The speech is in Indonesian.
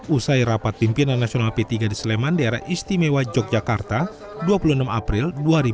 usai rapat pimpinan nasional p tiga di sleman daerah istimewa yogyakarta dua puluh enam april dua ribu dua puluh